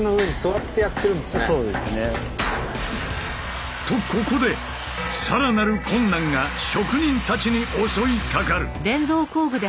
そうですね。とここでさらなる困難が職人たちに襲いかかる。